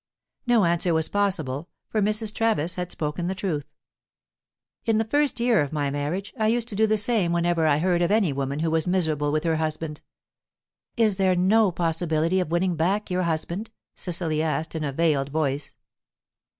No answer was possible, for Mrs. Travis had spoken the truth. "In the first year of my marriage, I used to do the same whenever I heard of any woman who was miserable with her husband." "Is there no possibility of winning back your husband?" Cecily asked, in a veiled voice.